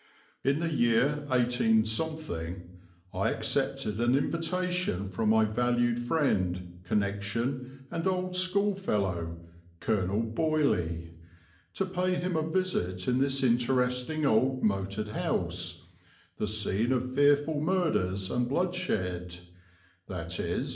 "In the year 18 I accepted an invitation from my valued friend, connection, and old schoolfellow, Colonel Boileau, to pay him a visit in this interesting old moated house, the scene of fearful murders and bloodshed, viz.